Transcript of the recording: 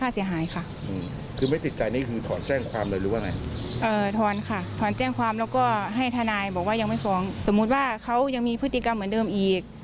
สมมุติว่าเขายังมีพฤติกรรมเหมือนเดิมอีก